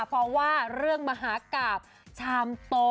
เพราะว่าเรื่องมหากราบชามโต